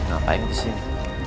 apa yang disini